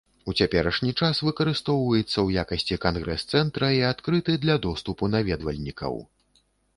У цяперашні час выкарыстоўваецца ў якасці кангрэс-цэнтра і адкрыты для доступу наведвальнікаў.